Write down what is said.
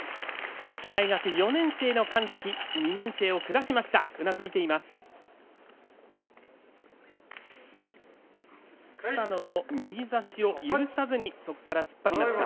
近畿大学４年生の神崎２年生を下しました。